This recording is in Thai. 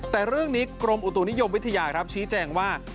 แต่เรื่องนี้กรมอุตุนิยมวิทยาครับชี้แจงว่า